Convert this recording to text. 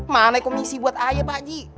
mana komisi buat aye pak haji